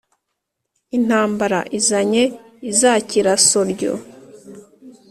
Intambara izanye izakira soryo!